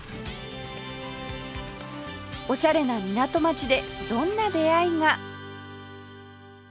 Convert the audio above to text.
オシャレな港町でどんな出会いが？